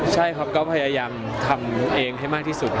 ใช่ครับก็พยายามทำเองให้มากที่สุด